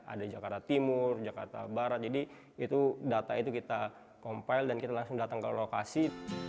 ada jakarta timur jakarta barat jadi itu data itu kita compile dan kita langsung datang ke lokasi